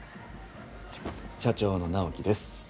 社長の直樹です。